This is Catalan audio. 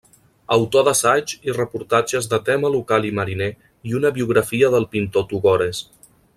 Autor d'assaigs i reportatges de tema local i mariner i una biografia del pintor Togores.